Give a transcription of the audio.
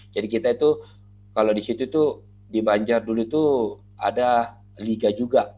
jadi kita itu kalau di situ tuh di banjar dulu tuh ada liga juga